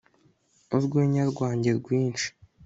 urwenya rwanjye rwinshi